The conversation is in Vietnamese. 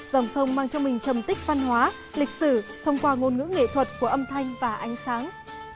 dòng sông mang cho mình trầm tích văn hóa lịch sử thông qua ngôn ngữ nghệ thuật của âm thanh và ánh sáng